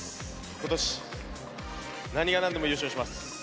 今年、何が何でも優勝します。